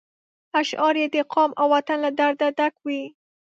اشعار یې د قام او وطن له درده ډک وي.